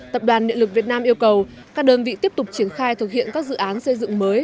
tập đoàn điện lực việt nam yêu cầu các đơn vị tiếp tục triển khai thực hiện các dự án xây dựng mới